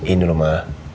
ini loh ma